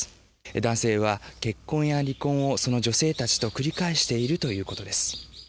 男性は結婚や離婚をその女性たちと繰り返しているということです。